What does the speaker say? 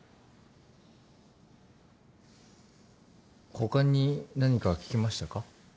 他に何か聞きましたか？